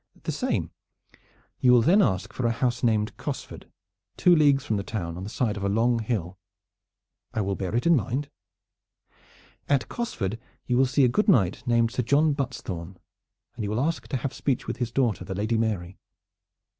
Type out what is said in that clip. "The same. You will then ask for a house named Cosford, two leagues from the town on the side of a long hill." "I will bear it in mind." "At Cosford you will see a good knight named Sir John Buttesthorn, and you will ask to have speech with his daughter, the Lady Mary."